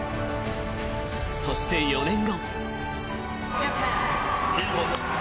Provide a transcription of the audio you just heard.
［そして４年後］